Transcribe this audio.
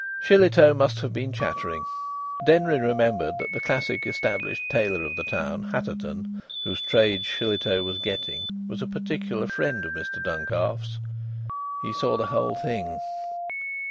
Shillitoe must have been chattering. Denry remembered that the classic established tailor of the town, Hatterton, whose trade Shillitoe was getting, was a particular friend of Mr Duncalf's. He saw the whole thing.